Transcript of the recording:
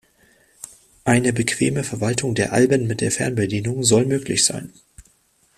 Eine bequeme Verwaltung der Alben mit der Fernbedienung soll möglich sein.